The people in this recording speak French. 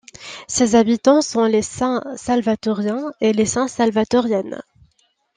Ses habitants sont les Saint-Salvatoriens et Saint-Salvatoriennes.